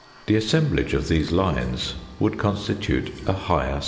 The assemblage of these lines would constitute a higher